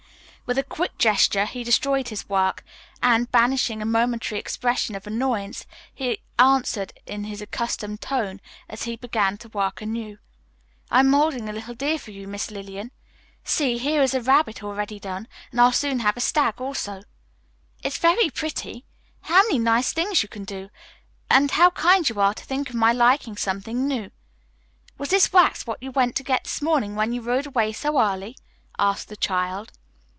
With a quick gesture he destroyed his work, and, banishing a momentary expression of annoyance, he answered in his accustomed tone as he began to work anew, "I am molding a little deer for you, Miss Lillian. See, here is a rabbit already done, and I'll soon have a stag also." "It's very pretty! How many nice things you can do, and how kind you are to think of my liking something new. Was this wax what you went to get this morning when you rode away so early?" asked the child.